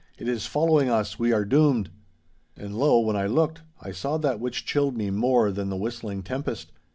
It is following us—we are doomed!"' 'And lo! when I looked, I saw that which chilled me more than the whistling tempest.